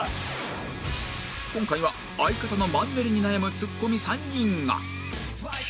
今回は相方のマンネリに悩むツッコミ３人が